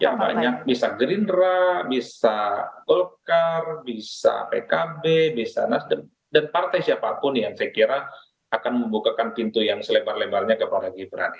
ya banyak bisa gerindra bisa golkar bisa pkb bisa nasdem dan partai siapapun yang saya kira akan membukakan pintu yang selebar lebarnya kepada gibran